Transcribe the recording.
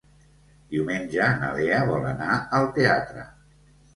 Diumenge na Lea vol anar al teatre.